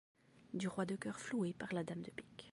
Du roi de coeur floué par la dame de pique